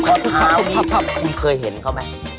ข้อเท้านี้คุณเคยเห็นเขาไหม